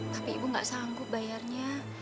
tapi ibu nggak sanggup bayarnya